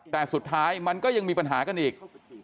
แต่สุดท้ายมันก็ยังมีปัญหากันอีก